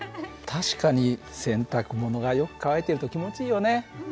確かに洗濯物がよく乾いてると気持ちいいよね。